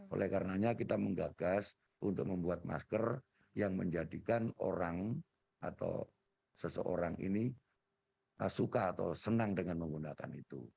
oleh karenanya kita menggagas untuk membuat masker yang menjadikan orang atau seseorang ini suka atau senang dengan menggunakan itu